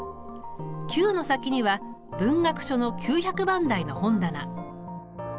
９の先には文学書の９００番台の本棚。